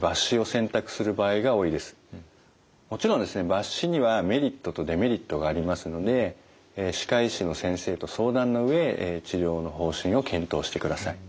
抜歯にはメリットとデメリットがありますので歯科医師の先生と相談のうえ治療の方針を検討してください。